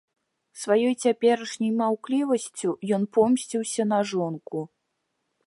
Сваёй цяперашняй маўклівасцю ён помсціўся на жонку.